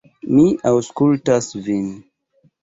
Mi aŭskultas vin.